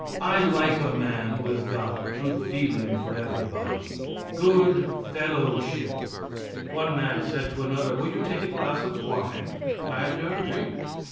I like a man who has got good feeling for everybody good fellowship. One man said to another: "Will you take a glass of wine?" "I don't drink."